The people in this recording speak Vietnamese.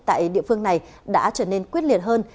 tại địa phương này đã trở nên quyết liệt hơn